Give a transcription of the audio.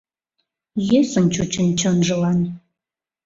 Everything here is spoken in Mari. Йӧсын чучын чонжылан: